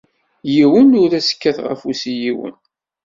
Yiwen ur as-kkateɣ afus i yiwen.